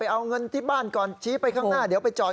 เอาเงินที่บ้านก่อนชี้ไปข้างหน้าเดี๋ยวไปจอด